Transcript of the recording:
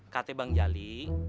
kata bang jali